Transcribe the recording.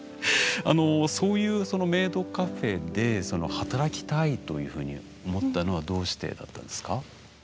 そういうメイドカフェで働きたいというふうに思ったのはどうしてだったんですか？